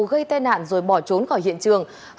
gây tai nạn rồi bỏ trốn khỏi hiện trường